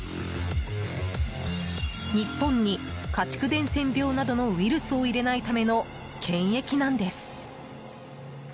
日本に家畜伝染病などのウイルスを入れないための検疫なんです。